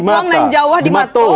kampungan jawa di mato